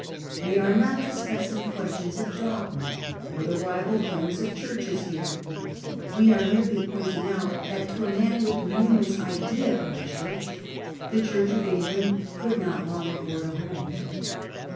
We are not discussing questions of dogma, or the rival claims of churches here ; we are merely pointing out that to a man with Newman's idea of a church, the Church of England could not long afford a home.